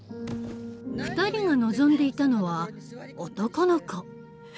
２人が望んでいたのは男の子。